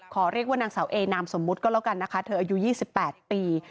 ขอเรียกว่านางสาวเอนามสมมุติก็แล้วกันนะคะเธออายุ๒๘ปี